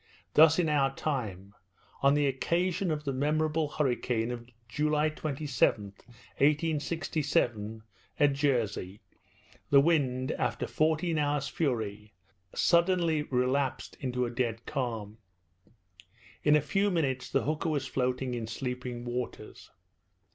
Thus, in our time, on the occasion of the memorable hurricane of July 27th, 1867, at Jersey the wind, after fourteen hours' fury, suddenly relapsed into a dead calm. In a few minutes the hooker was floating in sleeping waters.